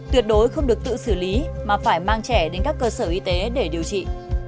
tuyệt đối không được tự xử lý mà phải mang trẻ đến các cơ sở y tế để điều trị